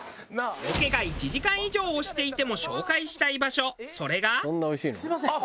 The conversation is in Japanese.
ロケが１時間以上押していても紹介したい場所それが。